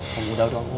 kum udah udah kum